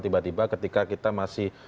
tiba tiba ketika kita masih